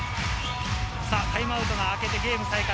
タイムアウトが明けて、ゲーム再開。